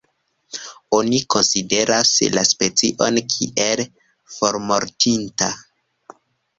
Oni konsideras la specion kiel formortinta.